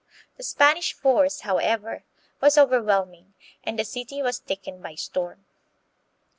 The Spanish force, however, was overwhelming, and the Moro Spear. city was taken by storm.